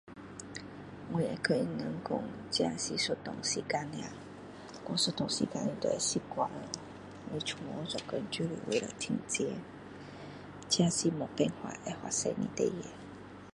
我会跟他们说这是一段时间而已过一段时间就会习惯了我出门做工是为了赚钱这是没有办法会发生的事